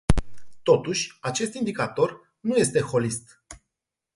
Totuși, acest indicator nu este holist.